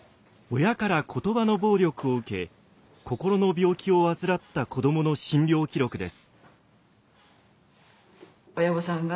親から言葉の暴力を受け心の病気を患った子どもの診療記録です。